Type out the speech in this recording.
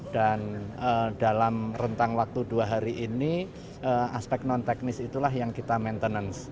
dan dalam rentang waktu dua hari ini aspek non teknis itulah yang kita maintenance